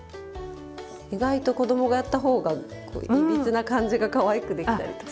意外と子供がやった方がいびつな感じがかわいくできたりとか。